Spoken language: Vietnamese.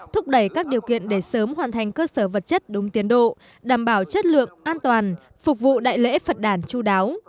thúc đẩy các điều kiện để sớm hoàn thành cơ sở vật chất đúng tiến độ đảm bảo chất lượng an toàn phục vụ đại lễ phật đàn chú đáo